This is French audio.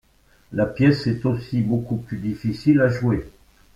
La pièce est aussi beaucoup plus difficile à jouer.